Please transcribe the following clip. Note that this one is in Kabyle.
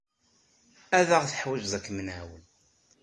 Ad aɣ-teḥwijeḍ ad kem-nɛawen.